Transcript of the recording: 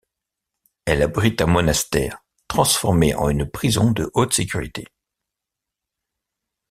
Elle abrite un monastère, transformé en une prison de haute sécurité.